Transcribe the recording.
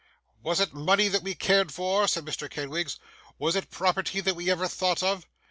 'Was it money that we cared for?' said Mr. Kenwigs. 'Was it property that we ever thought of?